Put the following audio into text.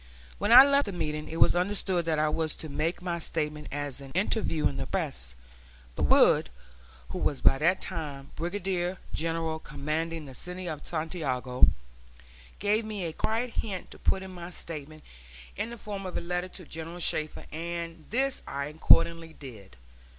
When I left the meeting it was understood that I was to make my statement as an interview in the press; but Wood, who was by that time Brigadier General commanding the city of Santiago, gave me a quiet hint to put my statement in the form of a letter to General Shafter, and this I accordingly did.